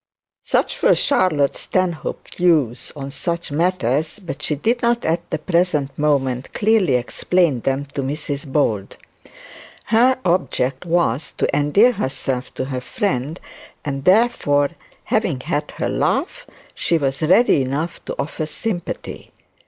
Such were Charlotte Stanhope's views on such matters; but she did not at the present moment clearly explain them to Mrs Bold. Her object was to endear herself to her friend; and therefore, having had her laugh, she was ready enough to offer sympathy.